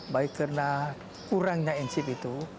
baik karena kurangnya insip itu